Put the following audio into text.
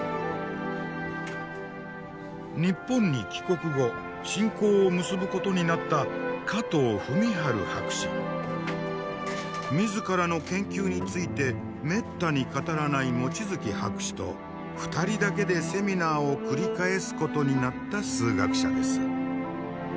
日本に帰国後親交を結ぶことになった自らの研究についてめったに語らない望月博士と２人だけでセミナーを繰り返すことになった数学者です。